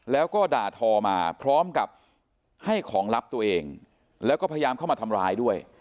แล้วก็ด่าทอมาพร้อมกับให้ของลับตัวเองแล้วก็พยายามเข้ามาทำร้ายด้วย